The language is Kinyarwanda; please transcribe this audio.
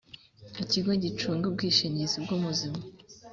ikigo gicunga ubwishingizi bw ubuzima